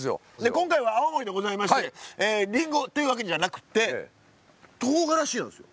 今回は青森でございましてりんごっていうわけじゃなくってとうがらしなんですよ。